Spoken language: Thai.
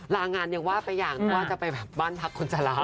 ลางานอย่างว่าไปอย่างว่าจะไปบ้านพักคนสลอง